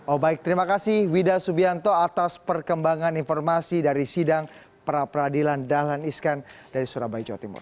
oh baik terima kasih wida subianto atas perkembangan informasi dari sidang pra peradilan dahlan iskan dari surabaya jawa timur